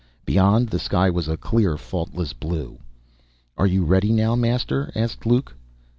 Beyond, the sky was a clear, faultless blue. "Are you ready now, Master?" asked Luke.